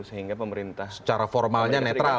sehingga pemerintah secara formalnya netral